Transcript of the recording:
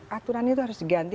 aturannya itu harus diganti